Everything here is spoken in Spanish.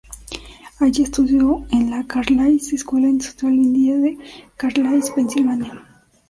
Allí estudió en la Carlisle Escuela Industrial india de Carlisle, Pensilvania.